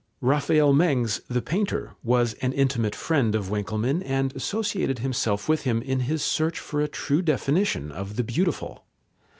Raphael Mengs, the painter, was an intimate friend of Winckelmann and associated himself with him in his search for a true definition of the beautiful.